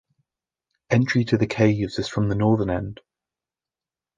Entry to the caves is from the northern end.